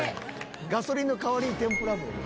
ガソリンの代わりに天ぷら油？